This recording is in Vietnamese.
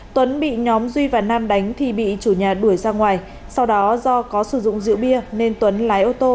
tuấn bị nhóm duy và nam đánh thì bị chủ nhà đuổi ra ngoài sau đó do có sử dụng rượu bia nên tuấn lái ô tô